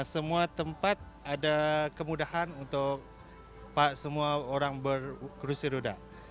semua tempat ada kemudahan untuk semua orang berkursi roda